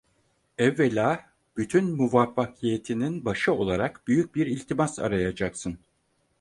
Evvela, bütün muvaffakiyetinin başı olarak büyük bir iltimas arayacaksın…